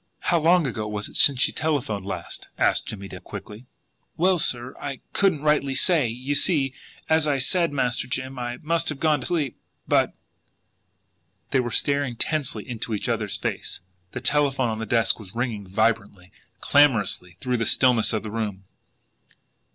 "How long ago was it since she telephoned last?" asked Jimmie Dale quickly. "Well, sir, I couldn't rightly say. You see, as I said, Master Jim, I must have gone to sleep, but " They were staring tensely into each other's face. The telephone on the desk was ringing vibrantly, clamourously, through the stillness of the room.